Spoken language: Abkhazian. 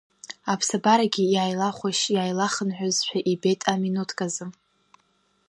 Аԥсабарагьы иааилахәашь-иааилахынҳәызшәа ибеит аминуҭказы.